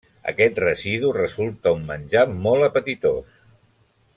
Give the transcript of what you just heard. Aquest residu resulta un menjar molt apetitós.